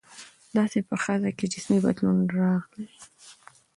داسې په ښځه کې جسمي بدلون راغى.